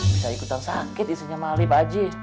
bisa ikutan sakit istrinya mali pak aji